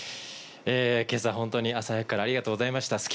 けさ、本当に朝早くからありがとうございました。